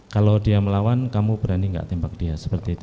kalau dia melawan kamu berani gak tembak dia seperti itu